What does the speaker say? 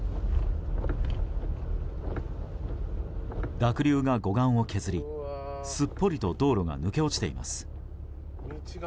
濁流が護岸を削り、すっぽりと道路が抜け落ちています。